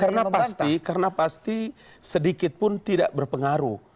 karena pasti karena pasti sedikitpun tidak berpengaruh